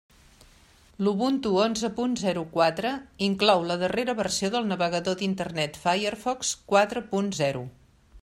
L'Ubuntu onze punt zero quatre inclou la darrera versió del navegador d'Internet Firefox quatre punt zero